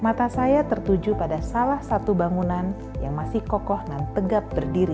mata saya tertuju pada salah satu bangunan yang masih kokoh dan tegap berdiri